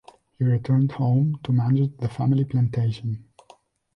He returned home to manage the family plantation.